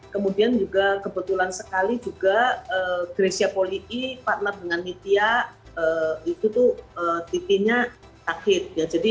kemudian juga kebetulan sekali juga gresia poli i partner dengan nitya itu tuh titinya takut